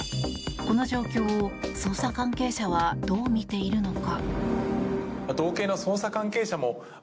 この状況を捜査関係者はどう見ているのか。